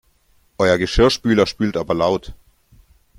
Euer Geschirrspüler spült aber laut!